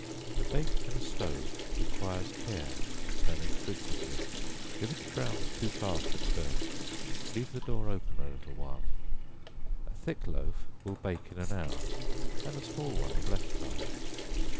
To bake in a stove requires care to turn it frequently; if it browns too fast at first, leave the door open a little while; a thick loaf will bake in an hour, and a small one in less time.